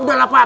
udah lah pak